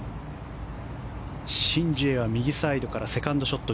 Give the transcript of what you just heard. シン・ジエは右サイドからセカンドショット。